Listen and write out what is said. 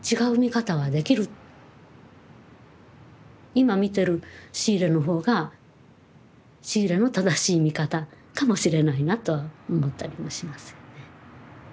今見てるシーレの方がシーレの正しい見方かもしれないなと思ったりもしますよね。